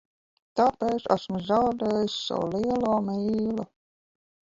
Tāpēc esmu zaudējis savu lielo mīlu.